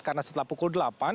karena setelah pukul delapan